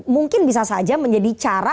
mungkin bisa saja menjadi cara